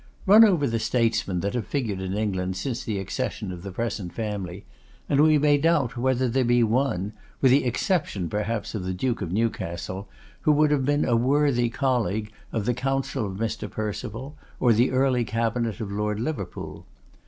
Run over the statesmen that have figured in England since the accession of the present family, and we may doubt whether there be one, with the exception perhaps of the Duke of Newcastle, who would have been a worthy colleague of the council of Mr. Perceval, or the early cabinet of Lord Liverpool.